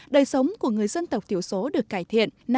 đời sống của người dân tộc thiểu số được cải thiện